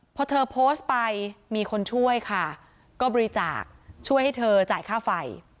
พอเธอโพสต์ไปมีคนช่วยค่ะก็บริจาคช่วยให้เธอจ่ายค่าไฟ